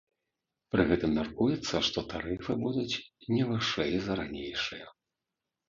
Пры гэтым мяркуецца, што тарыфы будуць не вышэй за ранейшыя.